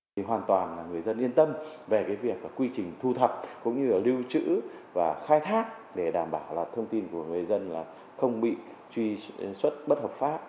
thì hoàn toàn là người dân yên tâm về cái việc quy trình thu thập cũng như là lưu trữ và khai thác để đảm bảo là thông tin của người dân là không bị truy xuất bất hợp pháp